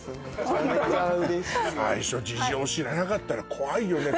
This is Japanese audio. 最初事情知らなかったら怖いよね